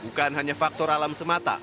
bukan hanya faktor alam semata